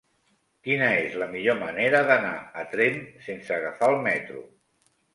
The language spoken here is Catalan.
Quina és la millor manera d'anar a Tremp sense agafar el metro?